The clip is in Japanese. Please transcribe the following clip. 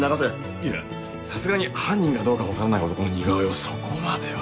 いやさすがに犯人かどうか分からない男の似顔絵をそこまでは。